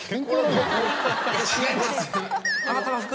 違います。